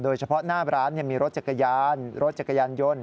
โดยเฉพาะหน้าร้านยังมีรถจักรยานรถจักรยานยนต์